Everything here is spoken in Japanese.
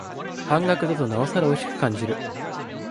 半額だとなおさらおいしく感じる